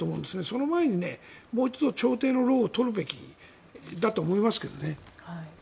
その前にもう一度、調停の労を取るべきだと思いますけどね。